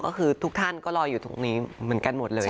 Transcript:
ก็คือทุกท่านก็รออยู่ตรงนี้เหมือนกันหมดเลย